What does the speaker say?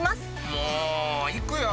もういくよ？